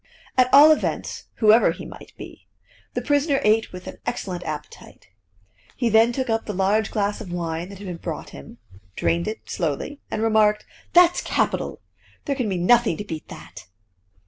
At all events, whoever he might be, the prisoner ate with an excellent appetite. He then took up the large glass of wine that had been brought him, drained it slowly, and remarked: "That's capital! There can be nothing to beat that!"